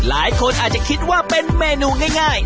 หลายคนอาจจะคิดว่าเป็นเมนูง่าย